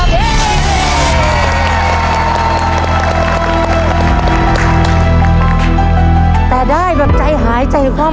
ครอบครัวของแม่ปุ้ยจังหวัดสะแก้วนะครับ